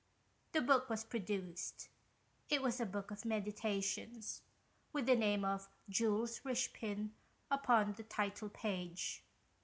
The book was produced. It was a Book of Meditations, with the name of Jules Richepin upon the title page.